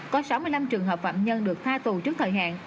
có sáu mươi năm trường hợp phạm nhân được tha tù trước thời hạn